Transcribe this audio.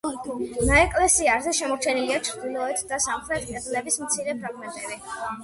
ნაეკლესიარზე შემორჩენილია ჩრდილოეთ და სამხრეთ კედლების მცირე ფრაგმენტები.